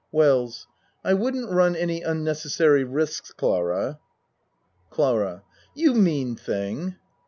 WELLS I wouldn't run any unnecessary risks, Clara. CLARA You mean thing